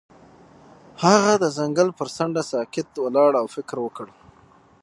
هغه د ځنګل پر څنډه ساکت ولاړ او فکر وکړ.